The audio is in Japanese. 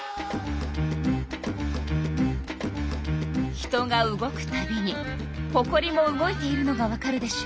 人が動くたびにほこりも動いているのがわかるでしょ？